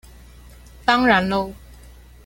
當然囉